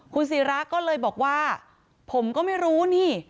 คุณศิราก็เลยบอกว่าผมก็ไม่รู้นี่